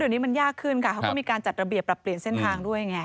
เดี๋ยวนี้มันยากขึ้นค่ะเขาก็มีการจัดระเบียบปรับเปลี่ยนเส้นทางด้วยไง